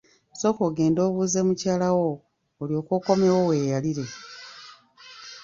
Sooka ogende obuuze mukyala wo olyoke okomewo weeyalire.